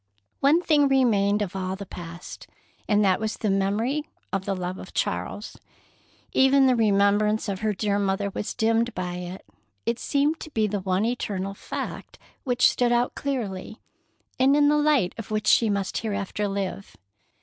One thing remained of all the past, and that was the memory of the love of Charles. Even the remembrance of her dear mother was dimmed by it. It seemed to be the one eternal fact which stood out clearly, and in the light of which she must hereafter live.